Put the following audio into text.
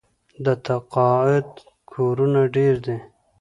د تقاعد کورونه ډیر دي.